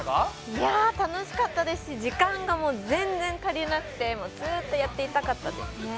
いや楽しかったですし時間がもう全然足りなくてもうずっとやっていたかったですね。